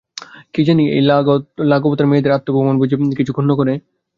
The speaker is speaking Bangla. কী জানি, এই লাঘবতায় মেয়েদের আত্মাভিমান বুঝি কিছু ক্ষুণ্ন করে।